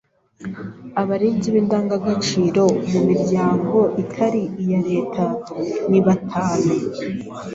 Abarinzi b’indangagaciro mu miryango itari iya Leta ni batanu